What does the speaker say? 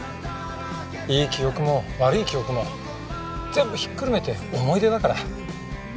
いい記憶も悪い記憶も全部ひっくるめて思い出だから。